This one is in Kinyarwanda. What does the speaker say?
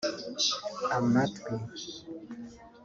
amatwi